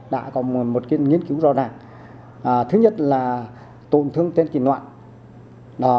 đã có một nghiên cứu rõ ràng thứ nhất là tổn thương tên kỳ loạn